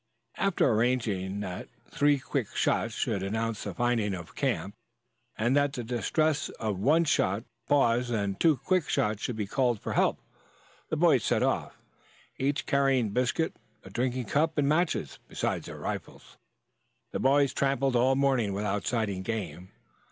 After arranging that three quick shots should announce the finding of game and that the distress signal of one shot, a pause, then two quick shots should be a call for help, the boys set off, each carrying biscuit, a drinking cup, and matches, besides their rifles. The boys tramped all morning without sighting game.